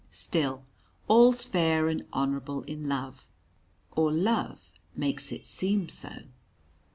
Still, all's fair and honourable in love or love makes it seem so.